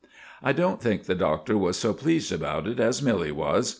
I don't think the Doctor was so pleased about it as Milly was.